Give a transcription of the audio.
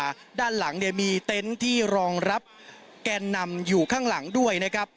ซึ่งท่านหลังมีเต็นต์ที่รองรับแกนนำอยู่ข้างหลังด้วยนะคะ